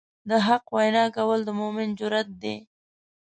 د حق وینا کول د مؤمن جرئت دی.